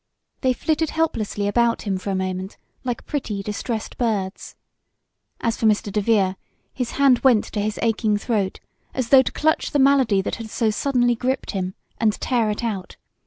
They flitted helplessly about him for a moment, like pretty, distressed birds. As for Mr. DeVere, his hand went to his aching throat as though to clutch the malady that had so suddenly gripped him, and tear it out.